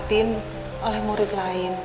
dikahatin oleh murid lain